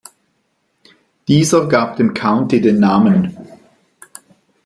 Dieser gab dem County den Namen.